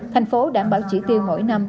thành phố đảm bảo chỉ tiêu mỗi năm